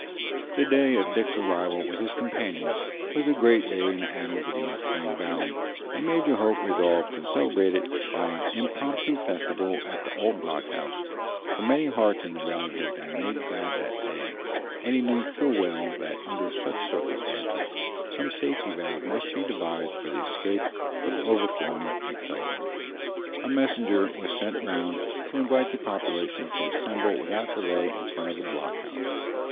The day of Dick's arrival with his companions was a great day in the annals of the Mustang Valley, and Major Hope resolved to celebrate it by an impromptu festival at the old block house; for many hearts in the valley had been made glad that day, and he knew full well that, under such circumstances, some safety valve must be devised for the escape of overflowing excitement. A messenger was sent round to invite the population to assemble without delay in front of the block house.